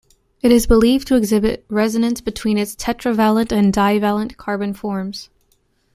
It is believed to exhibit resonance between its tetravalent and divalent carbon forms.